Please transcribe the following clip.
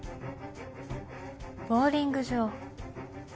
ボウリング場。